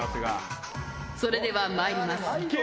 それではまいります。